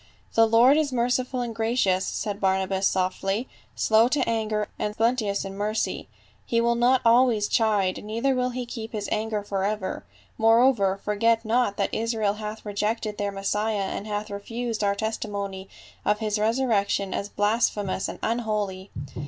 "' The Lord is merciful and gracious,' " said Barna bas softly, "' slow to anger and plenteous in mercy ; he will not always chide, neither will he keep his anger forever.' Moreover, forget not that Israel hath rejected their Messiah and hath refused our testimony of his resurrection as blasphemous and unholy.